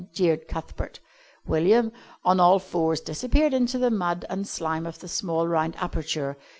jeered Cuthbert. William, on all fours, disappeared into the mud and slime of the small round aperture.